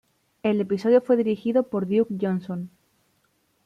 El episodio fue dirigido por Duke Johnson.